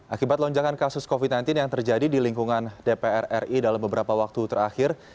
akibat lonjakan kasus covid sembilan belas yang terjadi di lingkungan dpr ri dalam beberapa waktu terakhir